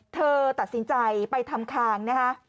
เธอตัดสินใจไปทำคางนะคะ